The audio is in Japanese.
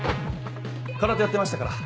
空手やってましたから。